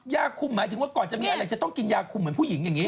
ยาคุมหมายถึงว่าก่อนจะมีอะไรจะต้องกินยาคุมเหมือนผู้หญิงอย่างนี้